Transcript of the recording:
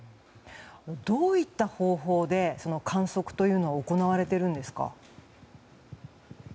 どういった方法で観測というのは行われているんですか。